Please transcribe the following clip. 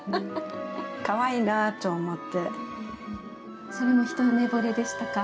かわいいなと思って。